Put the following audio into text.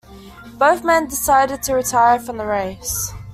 Both men decided to retire from the race.